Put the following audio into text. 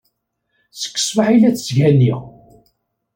Seg ṣṣbeḥ i la t-ttganiɣ.